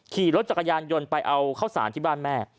ขี่รถจักรยานยนต์ไปเอาข้าวสารที่บ้านแม่